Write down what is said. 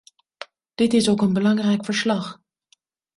Dit is ook een belangrijk verslag.